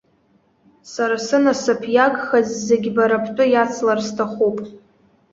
Сара сынасыԥ иагхаз зегьы бара бтәы иацлар сҭахуп.